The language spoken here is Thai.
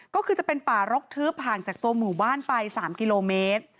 ก็คือจะเป็นป่ารกทึบห่างจากตัวหมู่บ้านไป๓กิโลเมตร